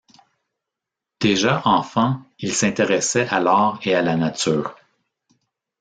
Déjà enfant il s'intéressait à l'art et à la nature.